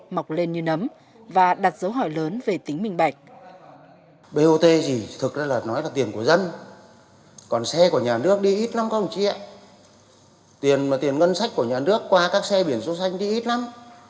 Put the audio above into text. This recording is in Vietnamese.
mọc lên như nấm